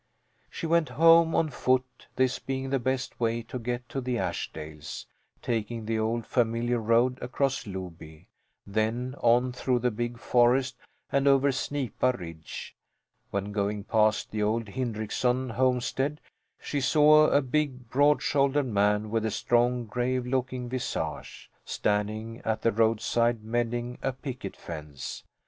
She went home on foot, this being the best way to get to the Ashdales taking the old familiar road across Loby, then on through the big forest and over Snipa Ridge. When going past the old Hindrickson homestead she saw a big, broad shouldered man, with a strong, grave looking visage, standing at the roadside mending a picket fence.